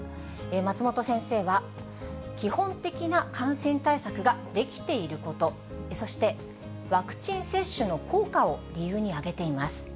松本先生は、基本的な感染対策ができていること、そしてワクチン接種の効果を理由に挙げています。